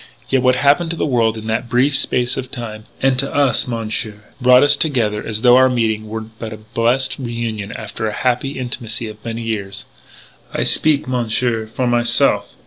Yet, what happened to the world in that brief space of time and to us, Monsieur brought us together as though our meeting were but a blessed reunion after the happy intimacy of many years.... I speak, Monsieur, for myself.